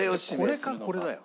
これかこれだよ。